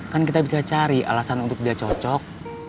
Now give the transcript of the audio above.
kan kita bisa cari alasan untuk dia cocok